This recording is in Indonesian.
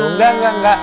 enggak enggak enggak